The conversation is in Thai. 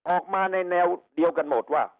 ออกมาในแนวเดียวกันหมดว่า